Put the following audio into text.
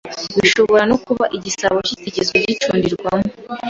Bishobora no kuba igisabo kitigeze gicundirwamo